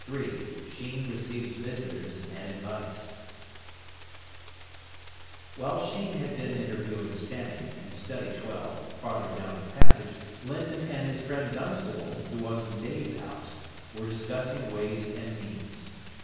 III SHEEN RECEIVES VISITORS AND ADVICE While Sheen had been interviewing Stanning, in study twelve, farther down the passage, Linton and his friend Dunstable, who was in Day's house, were discussing ways and means.